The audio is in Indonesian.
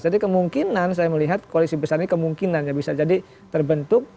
jadi kemungkinan saya melihat koalisi besar ini kemungkinan bisa jadi terbentuk